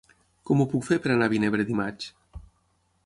Com ho puc fer per anar a Vinebre dimarts?